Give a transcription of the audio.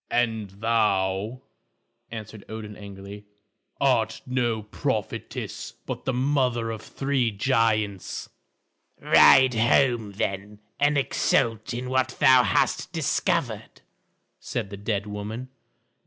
"And thou," answered Odin angrily, "art no prophetess, but the mother of three giants." "Ride home, then, and exult in what thou hast discovered," said the dead woman.